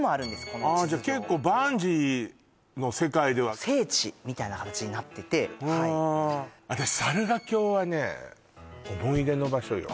この地図上結構バンジーの世界では聖地みたいな形になってて私猿ヶ京はね